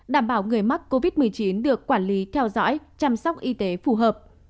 đảm bảo người mắc covid một mươi chín được quản lý theo dõi chăm sóc y tế phù hợp